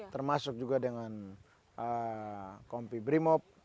termasuk juga dengan kompi brimob